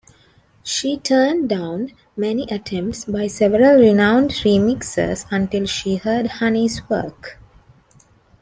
She turned down many attempts by several renowned remixers until she heard Hani's work.